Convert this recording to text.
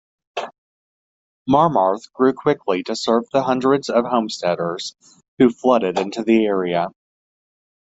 Marmarth grew quickly to serve the hundreds of homesteaders who flooded into the area.